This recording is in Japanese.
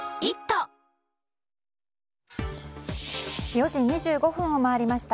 ４時２５分を回りました。